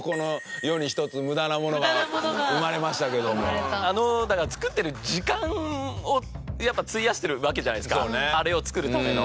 無駄なものがねまたあのだから作ってる時間をやっぱ費やしてるわけじゃないですかあれを作るための。